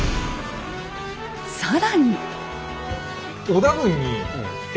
更に。